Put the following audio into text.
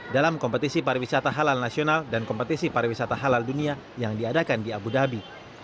dalam kompetisi pariwisata halal nasional dan kompetisi pariwisata halal dunia yang diadakan di abu dhabi